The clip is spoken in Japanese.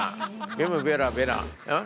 ベムベラベラん？